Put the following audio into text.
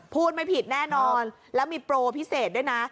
พูดไม่ผิดแน่นอนแล้วมีโปรพิเศษด้วยนะ